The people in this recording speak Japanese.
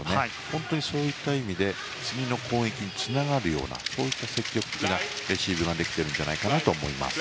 本当にそういった意味で次の攻撃につながるようなそういった積極的なレシーブができていると思います。